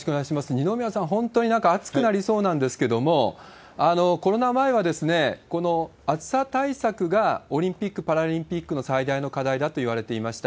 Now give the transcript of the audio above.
二宮さん、本当になんか暑くなりそうなんですけれども、コロナ前はこの暑さ対策がオリンピック・パラリンピックの最大の課題だといわれていました。